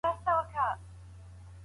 لمر به راوخېږي.